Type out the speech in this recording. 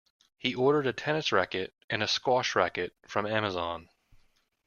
He ordered a tennis racket and a squash racket from Amazon.